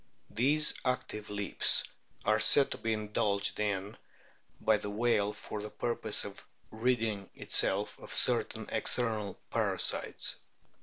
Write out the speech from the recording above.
These active leaps are said to be indulged in by the whale for the purpose of ridding itself of certain external parasites.